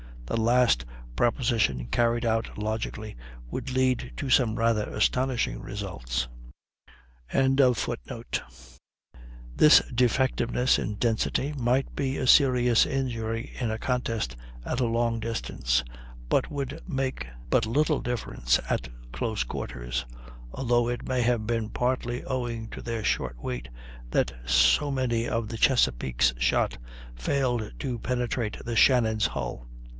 The last proposition carried out logically would lead to some rather astonishing results.] This defectiveness in density might be a serious injury in a contest at a long distance, but would make but little difference at close quarters (although it may have been partly owing to their short weight that so many of the Chesapeake's shot failed to penetrate the Shannon's hull).